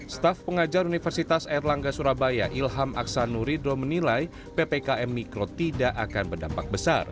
staff pengajar universitas air langga surabaya ilham aksanuridro menilai ppkm mikro tidak akan berdampak besar